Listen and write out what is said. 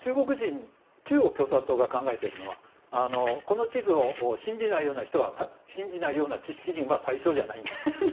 中国共産党が考えているのはこの地図を信じないような知識人は対象じゃないんだと。